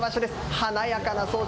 華やかな装飾。